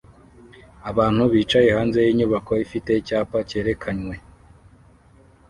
Abantu bicaye hanze yinyubako ifite icyapa cyerekanwe